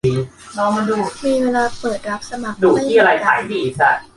มีเวลาเปิดรับสมัครไม่เหมือนกัน